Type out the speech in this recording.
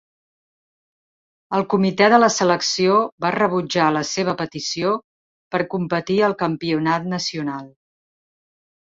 El comitè de la selecció va rebutjar la seva petició per competir al Campionat nacional.